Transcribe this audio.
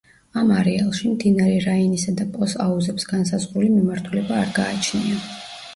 ამ არეალში, მდინარე რაინისა და პოს აუზებს განსაზღვრული მიმართულება არ გააჩნია.